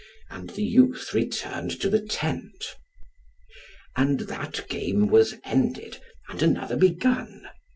And the youth returned to the tent. And that game was ended, and another begun.